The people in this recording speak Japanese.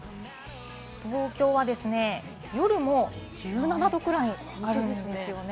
東京は夜も１７度くらいあるんです。